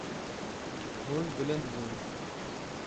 Hûn bilind bûn.